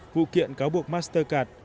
vụ kiện cáo buộc mastercard